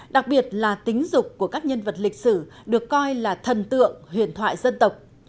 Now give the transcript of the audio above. đặc biệt là tính dục của các nhân vật lịch sử được coi là thần tượng huyền thoại dân tộc